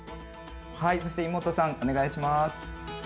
はいそして妹さんお願いします。